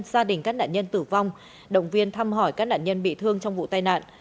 gia đình các nạn nhân tử vong động viên thăm hỏi các nạn nhân bị thương trong vụ tai nạn